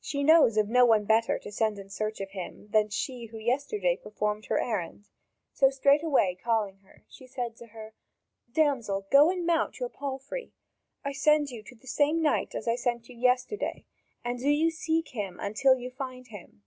She knows of no one better to send in search of him than she who yesterday performed her errand. So, straightway calling her, she said to her: "Damsel, go and mount your palfrey! I send you to the same knight as I sent you yesterday, and do you seek him until you find him.